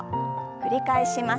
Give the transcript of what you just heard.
繰り返します。